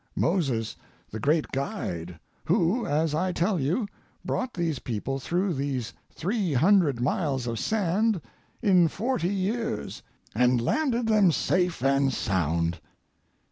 Moses, the great guide, who, as I tell you, brought these people through these three hundred miles of sand in forty years, and landed them safe and sound."